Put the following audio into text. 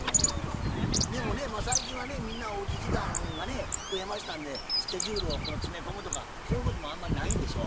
でもね最近はねみんなおうち時間がね増えましたんでスケジュールをこの詰め込むとかそういうこともあんまりないんでしょ？